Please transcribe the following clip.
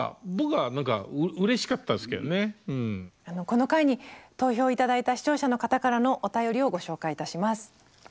この回に投票頂いた視聴者の方からのお便りをご紹介いたします。